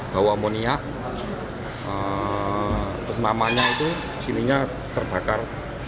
bau amonia kesenamanya itu sininya terbakar